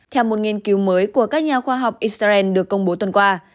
theo một nghiên cứu mới của các nhà khoa học israel được công bố tuần qua